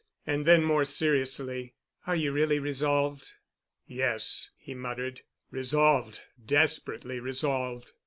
And then, more seriously, "Are you really resolved?" "Yes," he muttered, "resolved—desperately resolved."